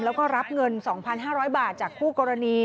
แล้วก็รับเงิน๒๕๐๐บาทจากคู่กรณี